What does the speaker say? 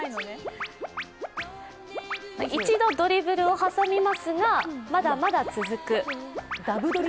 一度ドリブルを挟みますがまだまだ続く。